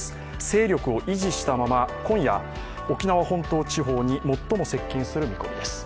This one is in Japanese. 勢力を維持したまま今夜、沖縄本島地方に最も接近する見込みです。